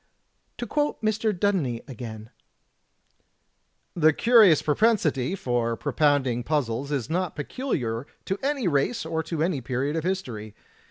To quote Mr. Dudeney again: "The curious propensity for propounding puzzles is not peculiar to any race or to any period of history.